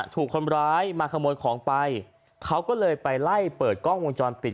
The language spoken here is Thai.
ถูกคนร้ายมาขโมยของไปเขาก็เลยไปไล่เปิดกล้องวงจรปิด